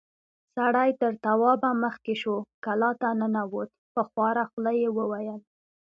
سړی تر توابه مخکې شو، کلا ته ننوت، په خواره خوله يې وويل: